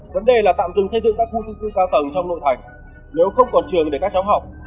vấn đề là tạm dừng xây dựng các khu trung cư cao tầng trong nội thành nếu không còn trường để các cháu học